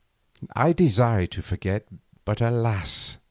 I desired to forget, but alas!